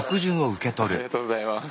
ありがとうございます。